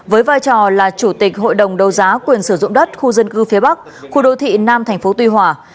với vai trò là chủ tịch hội đồng đấu giá quyền sử dụng đất khu dân cư phía bắc khu đô thị nam tp tuy hòa